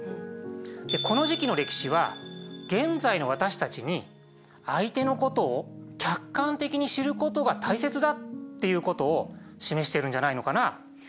この時期の歴史は現在の私たちに相手のことを客観的に知ることが大切だっていうことを示しているんじゃないのかな。